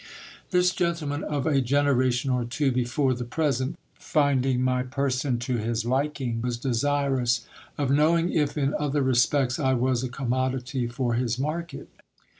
This gentleman of a generation or two before the present, finding my person to his liking, was desirous of knowing if in other respects I was a commodity for his markec.